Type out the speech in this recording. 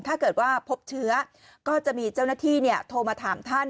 ถ้าเกิดว่าพบเชื้อก็จะมีเจ้าหน้าที่โทรมาถามท่าน